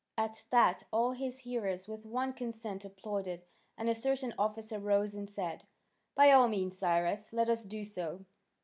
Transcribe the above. At that all his hearers with one consent applauded, and a certain officer rose and said: "By all means, Cyrus, let us do so.